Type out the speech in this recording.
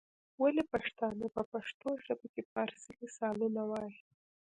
ولي پښتانه په پښتو ژبه کي فارسي مثالونه وايي؟